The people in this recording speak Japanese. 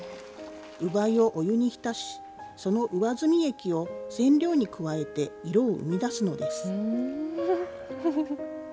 烏梅をお湯に浸し、その上澄み液を染料に加えて色を生み出すのです。